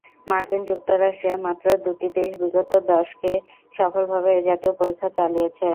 মার্কিন যুক্তরাষ্ট্রে মাত্র দুটি দেশ বিগত দশকে সফলভাবে এ জাতীয় পরীক্ষা চালিয়েছে।